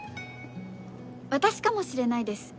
私かもしれないです